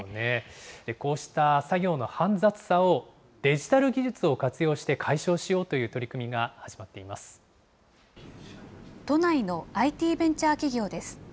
こうした作業の煩雑さをデジタル技術を活用して解消しようという都内のＩＴベンチャー企業です。